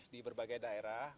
di berbagai daerah